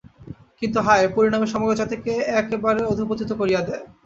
কিন্তু হায়! পরিণামে সমগ্র জাতিকে একেবারে অধঃপতিত করিয়া দেয়।